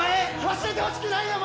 忘れてほしくない名前。